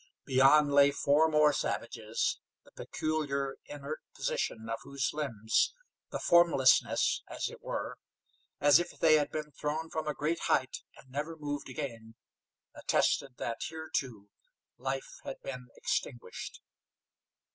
Beyond lay four more savages, the peculiar, inert position of whose limbs, the formlessness, as it were, as if they had been thrown from a great height and never moved again, attested that here, too, life had been extinguished.